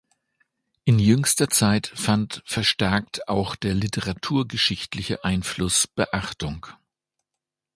In jüngster Zeit fand verstärkt auch der literaturgeschichtliche Einfluss Beachtung.